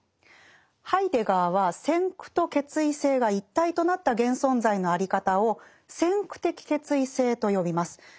ハイデガーは先駆と決意性が一体となった現存在のあり方を「先駆的決意性」と呼びます。